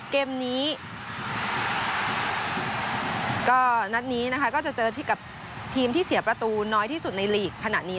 เกมนี้ก็นัดนี้นะคะก็จะเจอกับทีมที่เสียประตูน้อยที่สุดในลีกขณะนี้